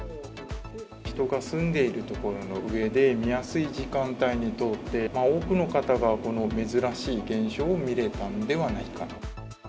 人が住んでいる所の上で、見やすい時間帯に通って、多くの方がこの珍しい現象を見れたんではないかなと。